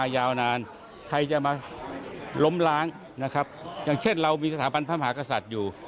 อย่างเช่นเรามีสถาบันพระมหากษัตริย์อยู่